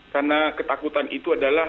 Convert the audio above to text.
karena ketakutan itu adalah